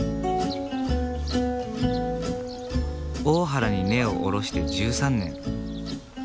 大原に根を下ろして１３年。